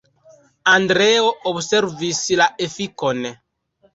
Andreo observis la efikon.